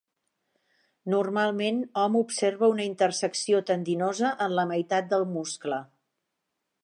Normalment hom observa una intersecció tendinosa en la meitat del muscle.